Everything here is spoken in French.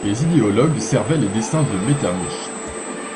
Les idéologues servaient les desseins de Metternich.